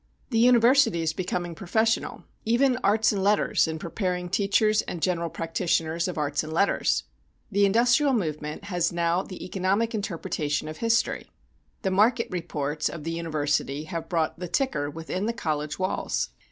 The university is becoming professional; even Arts and Letters in preparing teachers and general practitioners of arts and letters. The industrial movement has now the economic interpretation of history. The "Market Reports" of the university have brought the "ticker" within the college walls.